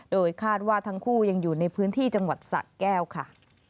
โดยคาดว่าทั้งคู่ยังอยู่ในพื้นที่จังหวัดสะแก้วค่ะ